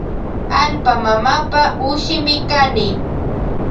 Allpa mamapa ushimi kani.